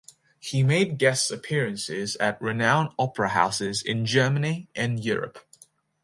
He made guest appearances at renowned opera houses in Germany and Europe.